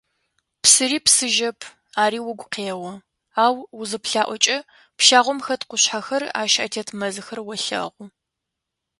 Псыри псыжьэп, ари угу къео, ау узыплъаӏокӏэ, пщагъом хэт къушъхьэхэр, ащ атет мэзхэр олъэгъу.